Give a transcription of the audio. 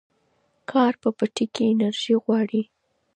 کار په پټي کې ډېره انرژي غواړي.